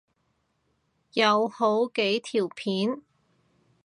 有好幾條片